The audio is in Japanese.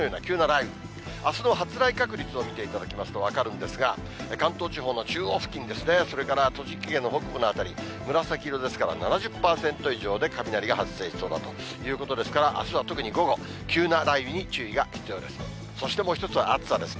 あすの発雷確率を見ていただきますと分かるんですが、関東地方の中央付近ですね、それから栃木県の北部の辺り、紫色ですから、７０％以上で雷が発生しそうだということですから、あすは特に午後、急な雷雨に注意が必要です。